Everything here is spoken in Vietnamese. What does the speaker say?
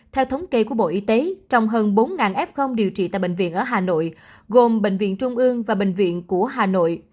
theo thống kê của bộ y tế trong hơn bốn f điều trị tại bệnh viện ở hà nội gồm bệnh viện trung ương và bệnh viện của hà nội